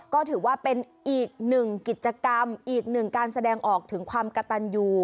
ก็ถือว่าเป็นอีกหนึ่งกิจกรรมอีกหนึ่งการแสดงออกถึงความกระตันอยู่